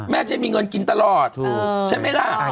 จะมีเงินกินตลอดใช่ไหมล่ะ